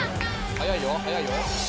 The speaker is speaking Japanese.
速いよ速いよ。